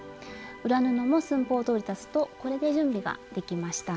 裏布も寸法どおり裁つとこれで準備ができました。